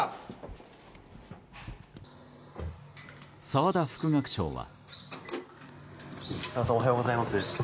澤田副学長は。